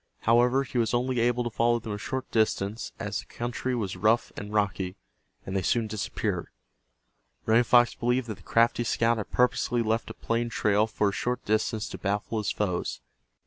However, he was only able to follow them a short distance, as the country was rough and rocky, and they soon disappeared. Running Fox believed that the crafty scout had purposely left a plain trail for a short distance to baffle his foes.